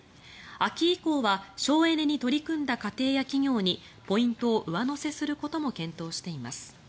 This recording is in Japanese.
秋以降は省エネに取り組んだ家庭や企業にポイントを上乗せすることも検討しています。